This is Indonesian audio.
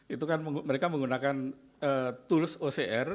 itu kan mereka menggunakan tools ocr